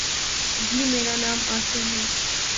جی، میرا نام عاصم ہے